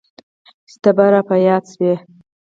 چي ته را په ياد سوې.